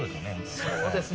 そうですね。